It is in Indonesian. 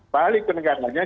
balik ke negaranya